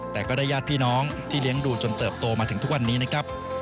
แต่ก็ได้ญาติพี่น้องที่เลี้ยงดูจนเติบโตมาถึงทุกวันนี้นะครับ